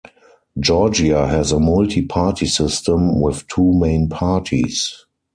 Georgia has a multi-party system, with two main parties.